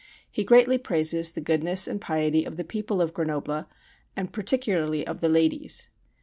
He greatly praises the goodness and piety of the people of Grenoble and particularly of the ladies.